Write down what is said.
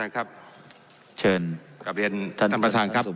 กับอีกหนึ่งท่านประธานครับ